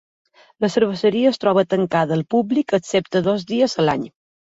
La cerveseria es troba tancada al públic excepte dos dies a l'any.